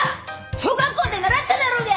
小学校で習っただろうが！